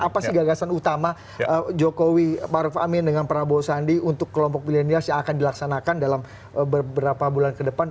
apa sih gagasan utama jokowi maruf amin dengan prabowo sandi untuk kelompok milenials yang akan dilaksanakan dalam beberapa bulan ke depan